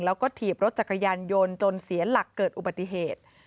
แล้วก็ถีบรถจักรยานยนต์จนเสียหลักเกิดอุบัติเหตุ